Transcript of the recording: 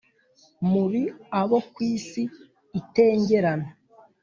muri abo ku isi itengerana